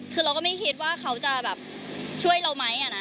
คือเราก็ไม่คิดว่าเขาจะแบบช่วยเราไหม